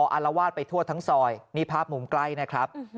อารวาสไปทั่วทั้งซอยนี่ภาพมุมใกล้นะครับ